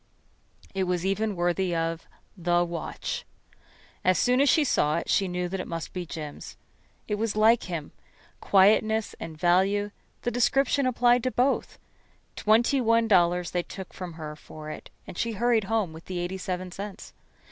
It was even worthy of The Watch. As soon as she saw it she knew that it must be Jim's. It was like him. Quietness and value the description applied to both. Twenty one dollars they took from her for it, and she hurried home with the eighty seven cents.